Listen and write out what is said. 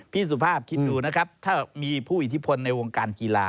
พี่สุภาพคิดดูนะครับถ้ามีผู้อิทธิพลในวงการกีฬา